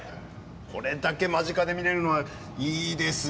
これだけ間近で見れるのはいいですねえ。